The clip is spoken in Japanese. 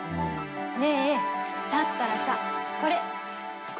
ねえだったらさ